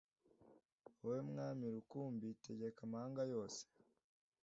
wowe mwami rukumbi tegeka amahanga yose